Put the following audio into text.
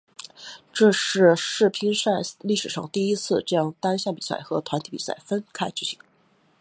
这是世乒赛历史上第一次将单项比赛和团体比赛分开举行。